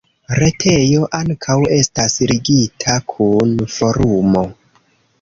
Retejo ankaŭ estas ligita kun Forumo.